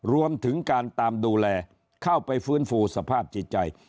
รวมถึงการตามดูแลเข้าไปฟื้นฟูสภาพจิตใจ